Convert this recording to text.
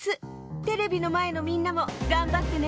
テレビのまえのみんなもがんばってね。